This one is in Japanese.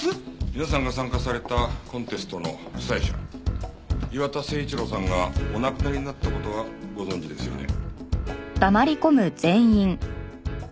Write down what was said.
皆さんが参加されたコンテストの主催者磐田誠一郎さんがお亡くなりになった事はご存じですよね？